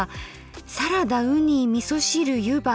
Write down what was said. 「サラダうにみそ汁ゆば」。